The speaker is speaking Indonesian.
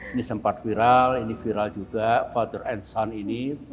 ini sempat viral ini viral juga father and sun ini